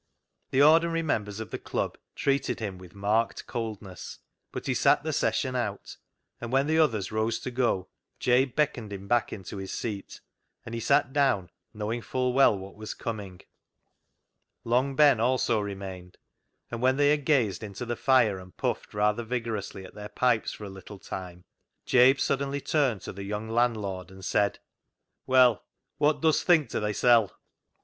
The ordinary members of the Club treated him with marked coldness, but he sat the session out, and when the others rose to go, Jabe beckoned him back into his seat, and he sat down, knowing full well what was coming. Long Ben also remained, and when they had gazed into the fire and puffed rather vigorously at their pipes for a little time, Jabe suddenly turned to the young landlord and said —" Well, wot dust think to thysel' ?